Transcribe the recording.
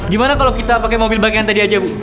gimana kalau kita pakai mobil bagian tadi aja bu